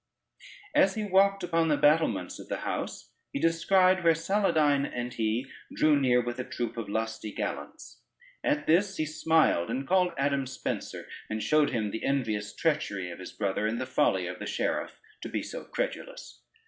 As he walked upon the battlements of the house, he descried where Saladyne and he drew near, with a troop of lusty gallants. At this he smiled, and called Adam Spencer, and showed him the envious treachery of his brother, and the folly of the sheriff to be so credulous.